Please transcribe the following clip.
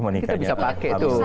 kita bisa pakai itu